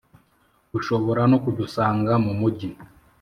ushobora no kudusanga mumujyi